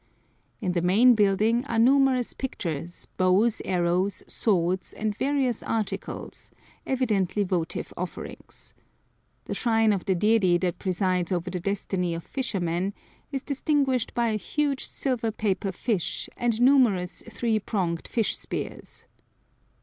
In the main building are numerous pictures, bows, arrows, swords, and various articles, evidently votive offerings. The shrine of the deity that presides over the destiny of fishermen is distinguished by a huge silver paper fish and numerous three pronged fish spears.